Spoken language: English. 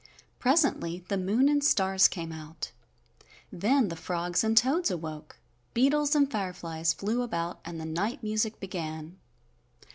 Presently the moon and stars came out. Then the frogs and toads awoke, beetles and fireflies flew about and the night music began.